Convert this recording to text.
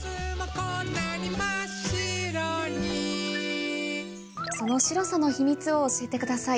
こんなに真っ白にその白さの秘密を教えてください。